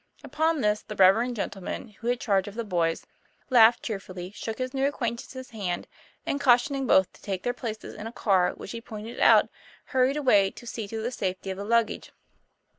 Upon this the reverend gentleman who had charge of the boys laughed cheerfully, shook his new ac quaintance's hand, and, cautioning both to take their TOM PLA YFAIR. 31 places in a car which he pointed out, hurried away to see to the safety of the luggage.